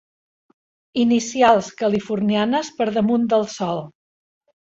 Inicials californianes per damunt del sol.